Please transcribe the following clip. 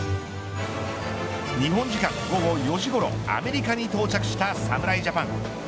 日本時間午後４時ごろアメリカに到着した侍ジャパン。